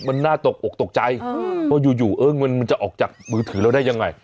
เพราะอยู่เอ๊มันมันจะออกจากมือถือแล้วได้ยังไง